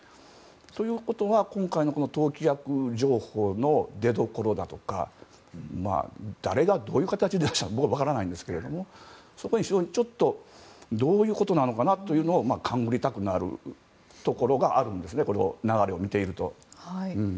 ということは、今回の党規約情報の出どころだとかだれがどういう形で出したのか分からないんですけどそこはちょっとどういうことなのかなと勘繰りたくなるこの流れを見ていると。